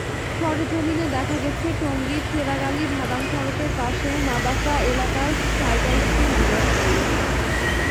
সরেজমিনে দেখা গেছে, টঙ্গীর চেরাগআলী-ভাদাম সড়কের পাশে মাদাফা এলাকায় সাইকা স্টিল ইন্ডাস্ট্রিজ।